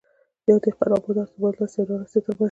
يا دهقان او بادار ترمنځ ،لوستي او نالوستي ترمنځ